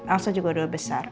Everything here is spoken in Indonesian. elsa juga udah besar